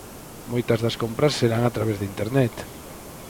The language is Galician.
Moitas das compras serán a través de Internet.